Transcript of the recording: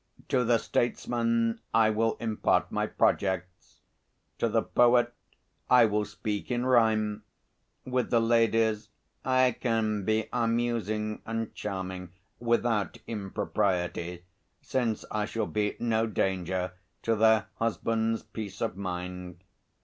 To the statesmen I will impart my projects; to the poet I will speak in rhyme; with the ladies I can be amusing and charming without impropriety, since I shall be no danger to their husbands' peace of mind.